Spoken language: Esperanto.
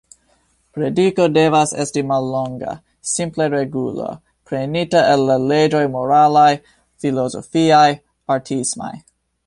Prediko devas esti mallonga: simple regulo, prenita el la leĝoj moralaj, filozofiaj, artismaj.